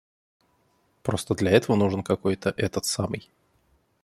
Просто для этого нужен какой-то этот самый.